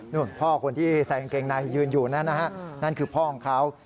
พ่อคนที่ใส่กางเกงในยืนอยู่นั่นนะฮะนั่นคือพ่อของเขา